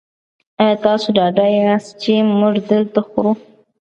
ایا تاسو ډاډه یاست چې موږ دلته خورو؟